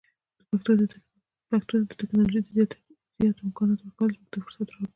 پښتو ته د ټکنالوژۍ د زیاتو امکاناتو ورکول موږ ته فرصت ورکوي.